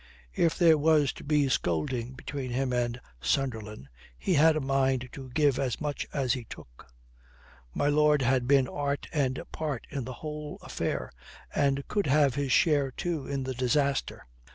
If there was to be scolding between him and Sunderland, he had a mind to give as much as he took. My lord had been art and part in the whole affair, and could have his share, too, in the disaster.